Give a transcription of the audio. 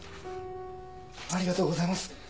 ありがとうございます。